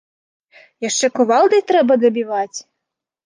Яшчэ кувалдай трэба дабіваць?